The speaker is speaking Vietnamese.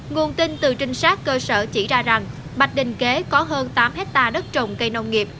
nguồn tin từ trinh sát cơ sở chỉ ra rằng bạch đình kế có hơn tám hectare đất trồng cây nông nghiệp